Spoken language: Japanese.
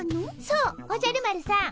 そうおじゃる丸さん。